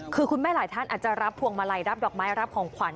คือคุณแม่หลายท่านอาจจะรับพวงมาลัยรับดอกไม้รับของขวัญ